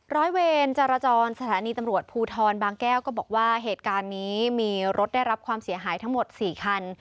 ร้อยเวรจรสถานีตำรวจภูทรบางแก้วก็บอกว่าเหตุการณ์นี้มีรถได้รับความเสียหายทั้งหมด๔คัน